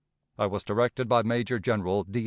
... I was directed by Major General D.